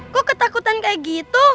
kok ketakutan kayak gitu